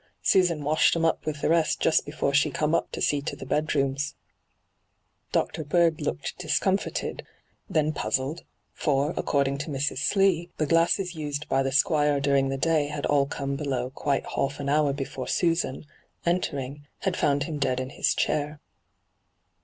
Susan washed 'em up with the rest just before she come up to see to the bedrooms.' Dr. Bird looked discomfited, then puzzled, for, according to Mrs. Slee, the glasses used by the Squire during the day had all come below quite half an hour before Susan, entering, had found him dead in his chair.